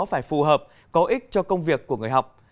phải phù hợp có ích cho công việc của người học